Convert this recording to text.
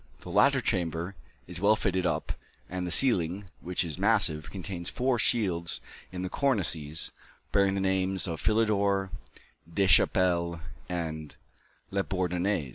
The latter chamber is well fitted up, and the ceiling, which is massive, contains four shields in the cornices, bearing the names of Philidor, Deschappelles, and Labourdonnais.